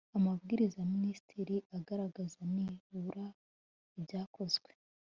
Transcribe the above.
amabwiriza ya minisitiri agaragaza nibura ibyakozwe